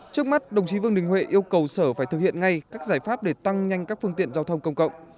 trước mắt đồng chí vương đình huệ yêu cầu sở phải thực hiện ngay các giải pháp để tăng nhanh các phương tiện giao thông công cộng